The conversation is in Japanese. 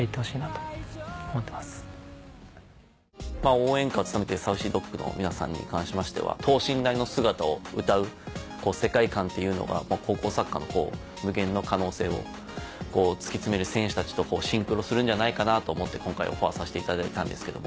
応援歌を務めているＳａｕｃｙＤｏｇの皆さんに関しましては等身大の姿を歌う世界観っていうのが高校サッカーの無限の可能性を突き詰める選手たちとシンクロするんじゃないかなと思って今回オファーさせていただいたんですけども。